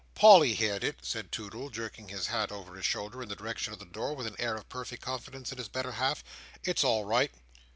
"Polly heerd it," said Toodle, jerking his hat over his shoulder in the direction of the door, with an air of perfect confidence in his better half. "It's all right."